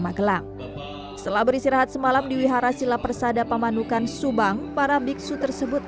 magelang setelah beristirahat semalam di wihara sila persada pamanukan subang para biksu tersebut